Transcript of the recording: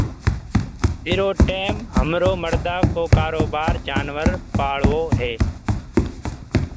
ايرو ٽيم همرو مڙدآ ڪو ڪآروبآر جنآور پآݪوو هي